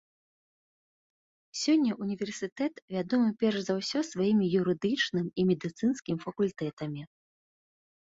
Сёння універсітэт вядомы перш за ўсё сваімі юрыдычным і медыцынскім факультэтамі.